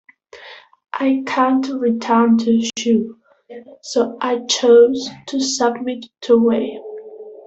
I can't return to Shu so I chose to submit to Wei.